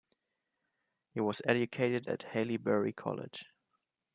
He was educated at Haileybury College.